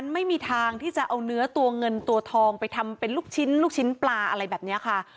ไม่มีทางที่จะเอาเนื้อตัวเงินตัวทองไปทำเป็นลูกชิ้นลูกชิ้นปลาอะไรแบบนี้ค่ะ